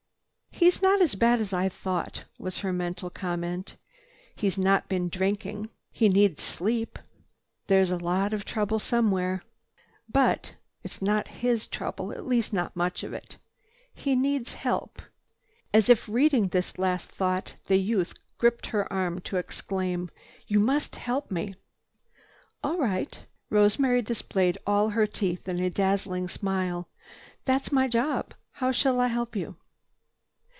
"He's not as bad as I thought," was her mental comment. "He's not been drinking. He needs sleep. There's a lot of trouble somewhere. But it's not his trouble—at least not much of it. He needs help. He—" As if reading this last thought, the youth gripped her arm to exclaim: "You must help me!" "All right." Rosemary displayed all her teeth in a dazzling smile. "That's my job. How shall I help you?"